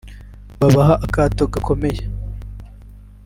Babaha akato gakomeye